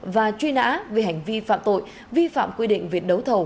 và truy nã đối với các bị can